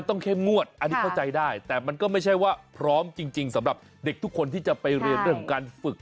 ต้องเข้มงวดอันนี้เข้าใจได้แต่มันก็ไม่ใช่ว่าพร้อมจริงสำหรับเด็กทุกคนที่จะไปเรียนเรื่องการฝึก